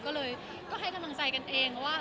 ก็เลยก็ให้กำลังใจกันเองเพราะว่า